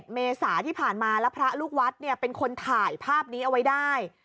เมษาที่ผ่านมาแล้วพระลูกวัดเป็นคนถ่ายภาพนี้เอาไว้ได้